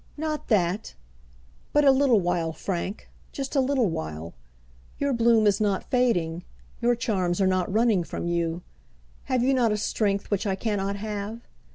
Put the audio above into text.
"Not that; but a little while, Frank; just a little while. Your bloom is not fading; your charms are not running from you. Have you not a strength which I cannot have?